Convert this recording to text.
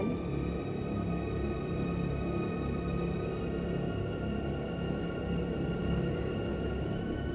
kamu tidak mau menikahiku